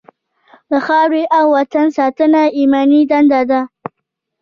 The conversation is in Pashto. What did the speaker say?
د خاورې او وطن ساتنه ایماني دنده ده.